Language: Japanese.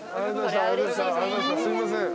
すいません。